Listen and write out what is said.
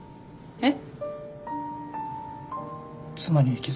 えっ？